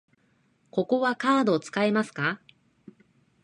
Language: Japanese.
ここはカード使えますか？